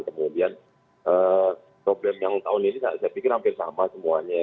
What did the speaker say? kemudian problem yang tahun ini saya pikir hampir sama semuanya